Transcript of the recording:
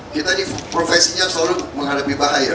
kita ini profesinya selalu menghadapi bahaya